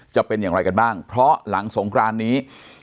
จะเป็นอย่างไรกันบ้างเพราะหลังสงครานนี้